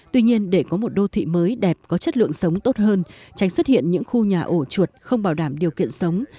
tuy nhiên để có một đô thị mới đẹp có chất lượng sống tốt hơn tránh xuất hiện những khu nhà ổ chuột không bảo đảm điều kiện sống